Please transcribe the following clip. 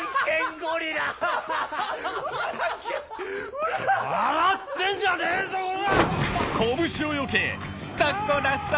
笑ってんじゃねえぞこら！